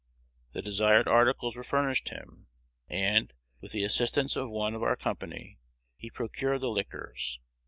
The desired articles were furnished him; and, with the assistance of one of our company, he procured the liquors.